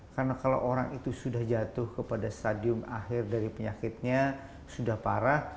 karena kalau orang itu sudah jatuh ke stadium akhir dari penyakitnya sudah parah